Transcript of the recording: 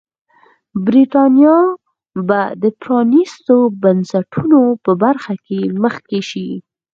برېټانیا به د پرانیستو بنسټونو په برخه کې مخکې شي.